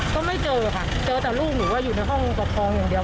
ก็ไม่เจอค่ะเจอแต่ลูกหนูว่าอยู่ในห้องปกครองอย่างเดียว